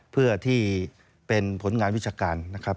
เพื่อที่เป็นผลงานวิชาการนะครับ